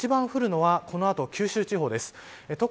一番降るのはこの後、九州地方です。